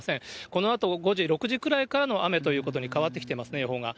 このあと５時、６時くらいからの雨ということに変わってきていますね、予報が。